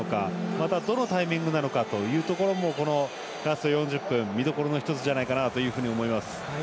また、どのタイミングなのかというところもこのラスト４０分見どころの１つじゃないかなと思います。